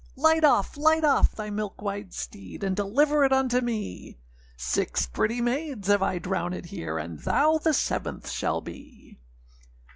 âLight off, light off thy milk white steed, And deliver it unto me; Six pretty maids have I drownèd here, And thou the seventh shall be.